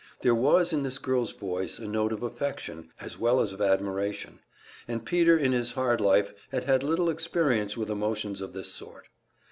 There was in this girl's voice a note of affection, as well as of admiration; and Peter in his hard life had had little experience with emotions of this sort.